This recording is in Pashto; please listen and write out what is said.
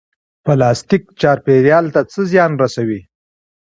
پلاستیک چاپیریال ته څه زیان رسوي؟